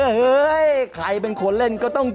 เฮ้ยใครเป็นคนเล่นก็ต้อง